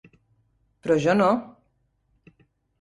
Però jo no!